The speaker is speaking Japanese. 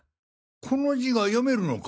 この字が読めるのか？